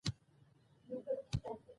ارزو د راتلونکې خالي ورځې د تګ په اړه وویل.